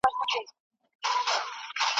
ايا دا يو دايمي حل دی؟